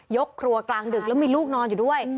ยกครัวกลางดึกแล้วมีลูกนอนอยู่ด้วย